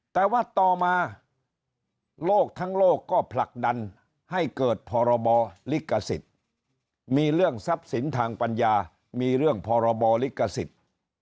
แต่ว่าต่อมาโลกทั้งโลกก็ผลักดันให้เกิดพรบลิขสิทธิ์มีเรื่องทรัพย์สินทางปัญญามีเรื่องพรบลิขสิทธิ์